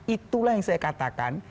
itulah yang saya katakan